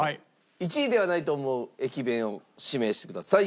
１位ではないと思う駅弁を指名してください。